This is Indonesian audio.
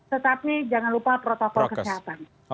tetapi jangan lupa protokol kesehatan